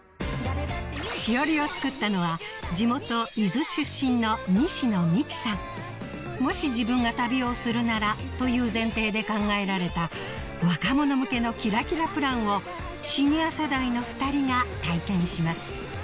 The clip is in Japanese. しおりを作ったのはもし自分が旅をするならという前提で考えられた若者向けのキラキラプランをシニア世代の２人が体験します